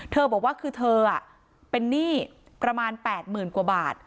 เธอบอกว่าคือเธอเป็นนี้ประมาณ๘หมื่นกว่าบาท